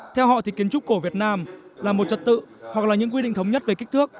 theo họ thì kiến trúc cổ việt nam là một trật tự hoặc là những quy định thống nhất về kích thước